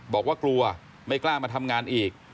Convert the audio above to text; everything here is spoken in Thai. บอกว่ากลัวไม่กล้ามาทำงานอีก